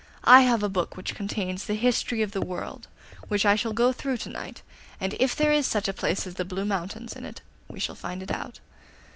I have a book which contains the history of the world, which I shall go through to night, and if there is such a place as the Blue Mountains in it we shall find it out.